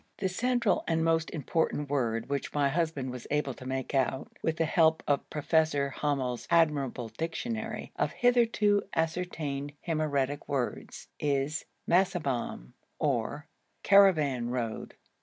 The central and most important word which my husband was able to make out, with the help of Professor Hommels' admirable dictionary of hitherto ascertained Himyaritic words, is Masabam or Caravan road.